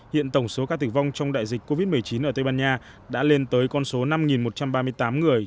hiện tổng số ca tử vong trong đại dịch covid một mươi chín ở tây ban nha đã lên tới con số năm một trăm ba mươi tám người